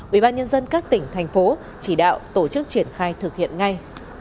ubnd các tỉnh thành phố chỉ đạo tổ chức triển khai thực hiện ngay